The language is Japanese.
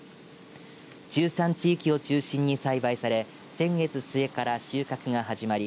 中讃地域を中心に栽培され先月末から収穫が始まり